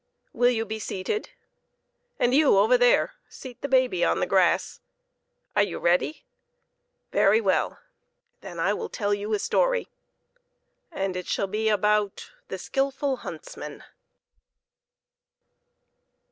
Will you be seated ? And you, over there, seat the baby on the grass ! Are you ready? Very well; then I will tell you a story, and it shall be about "The Skillful Huntsman."